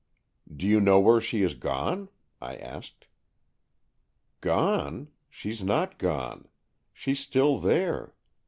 "Do you know where she has gone?" I asked. " Gone ? She's not gone. She's still there.